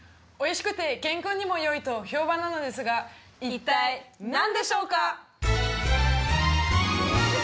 おいしくて健康にもよいと評判なのですが一体何でしょうか？